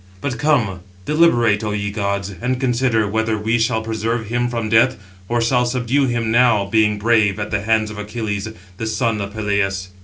But come, deliberate, O ye gods, and consider, whether we shall preserve him from death, or shall subdue him now, being brave [at the hands of] Achilles, the son of Peleus."